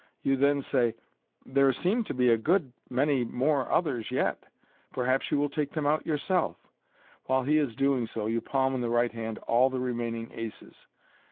You then say, " There seem to be a good many more there MODERN MA GIC. 99 yet. Perhaps you will take them out yourself." While he is doing so, you palm in the right hand all the remaining aces.